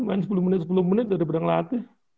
main sepuluh menit sepuluh menit daripada ngelatih